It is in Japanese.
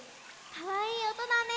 かわいいおとだね。